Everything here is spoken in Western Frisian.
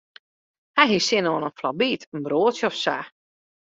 Hy hie sin oan in flaubyt, in broadsje of sa.